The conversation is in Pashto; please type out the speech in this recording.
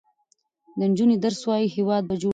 که نجونې درس ووايي، هېواد به جوړ شي.